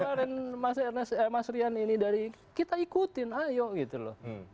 kemarin mas rian ini dari kita ikutin ayo gitu loh